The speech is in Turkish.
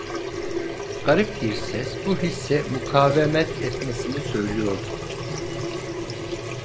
Garip bir ses bu hisse mukavemet etmesini söylüyordu…